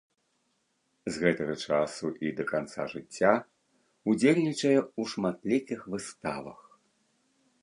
З гэтага часу і да канца жыцця ўдзельнічае ў шматлікіх выставах.